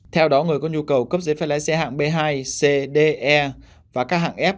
theo đó người có nhu cầu cấp giấy phép lái xe hạng b hai cd e và các hạng f